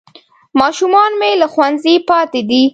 ماشومان مې له ښوونځیو پاتې دي